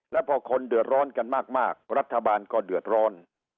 แล้วพอคนเดือดร้อนกันมากรัฐบาลก็เดือดร้อน